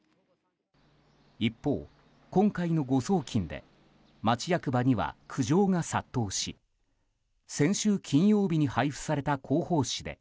一方、今回の誤送金で町役場には苦情が殺到し先週金曜日に配布された広報誌で